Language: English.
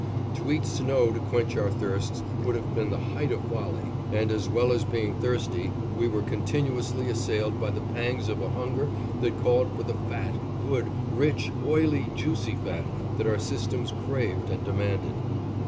To eat snow to quench our thirsts would have been the height of folly, and as well as being thirsty, we were continuously assailed by the pangs of a hunger that called for the fat, good, rich, oily, juicy fat that our systems craved and demanded.